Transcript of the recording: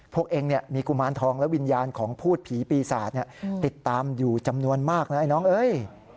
พวกเองมีกุมารทองและวิญญาณของพูดผีปีศาจติดตามอยู่จำนวนมากนะไอ้น้องเอ้ย